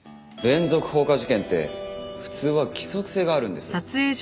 連続放火事件って普通は規則性があるんです。